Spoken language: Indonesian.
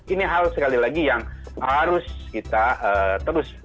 ini hal sekali lagi yang harus kita terus